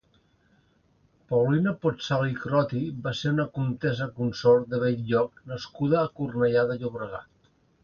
Paulina Pozzali i Crotti va ser una comtessa consort de Bell-lloc nascuda a Cornellà de Llobregat.